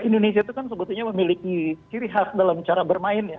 indonesia itu kan sebetulnya memiliki ciri khas dalam cara bermain ya